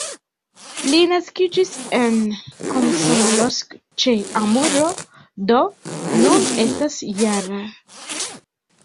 Li naskiĝis en Komsomolsk-ĉe-Amuro, do nun estas -jara.